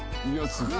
すごい。